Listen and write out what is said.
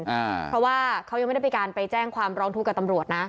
เพราะว่าเขายังไม่ได้ไปการไปแจ้งความร้องทุกข์กับตำรวจนะ